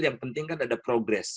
yang penting kan ada progres